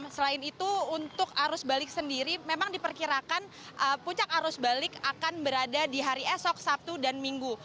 selain itu untuk arus balik sendiri memang diperkirakan puncak arus balik akan berada di hari esok sabtu dan minggu